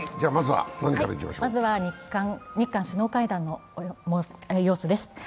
まずは日韓首脳会談の様子です。